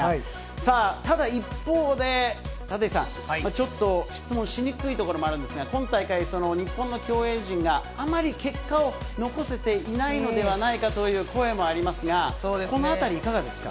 さあ、ただ一方で、立石さん、ちょっと質問しにくいところもあるんですが、今大会、日本の競泳陣があまり結果を残せていないのではないかという声もありますが、このあたり、いかがですか？